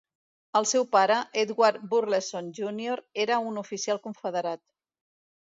El seu pare, Edward Burleson júnior era un oficial confederat.